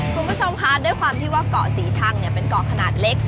คุณผู้ชมคะด้วยความที่ว่าเกาะศรีชังเป็นเกาะขนาดเล็ก